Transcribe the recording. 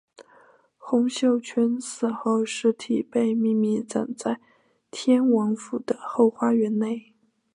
洪秀全死后尸体被秘密葬在天王府的后花园内。